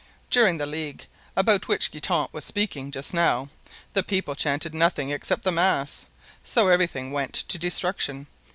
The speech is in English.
During the Ligue, about which Guitant was speaking just now, the people chanted nothing except the mass, so everything went to destruction.